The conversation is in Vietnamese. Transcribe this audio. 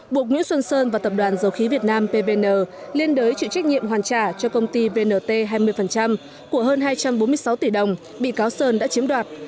buộc nguyễn xuân sơn và tập đoàn dầu khí việt nam pvn liên đối chịu trách nhiệm hoàn trả cho công ty vnt hai mươi của hơn hai trăm bốn mươi sáu tỷ đồng bị cáo sơn đã chiếm đoạt